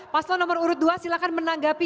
paslon nomor urut dua silahkan menanggapi